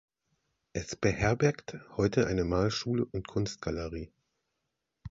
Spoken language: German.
Es beherbergt heute eine Malschule und Kunstgalerie.